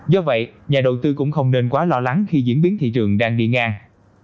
do vậy nhà đầu tư cũng không nên quá lo lắng khi diễn biến thị trường đang đi ngang